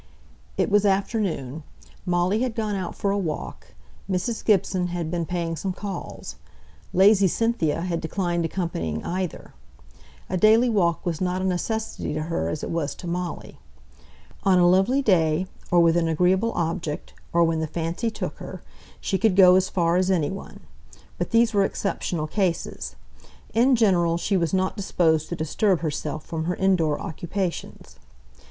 It was afternoon. Molly had gone out for a walk. Mrs. Gibson had been paying some calls. Lazy Cynthia had declined accompanying either. A daily walk was not a necessity to her as it was to Molly. On a lovely day, or with an agreeable object, or when the fancy took her, she could go as far as any one; but these were exceptional cases; in general, she was not disposed to disturb herself from her in door occupations.